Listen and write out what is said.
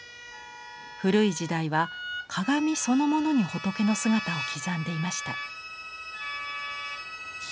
古い時代は鏡そのものに仏の姿を刻んでいました。